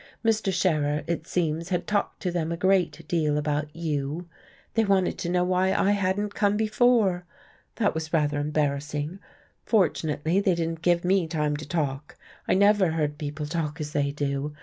Mr. Scherer, it seems, had talked to them a great deal about you. They wanted to know why I hadn't come before. That was rather embarrassing. Fortunately they didn't give me time to talk, I never heard people talk as they do.